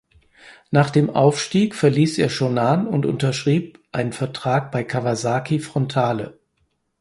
Nach dem Aufstieg verließ er Shonan und unterschrieb einen Vertrag bei Kawasaki Frontale.